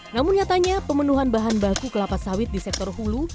namun nyatanya pemenuhan bahan baku kelapa sawit di sektor hulu